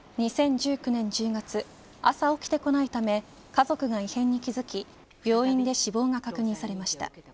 ２０１９年１０月朝起きてこないため家族が異変に気付き病院で死亡が確認されました。